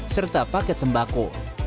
serta paket sembako